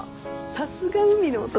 さすが海の男。